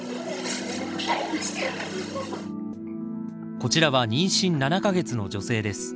こちらは妊娠７か月の女性です。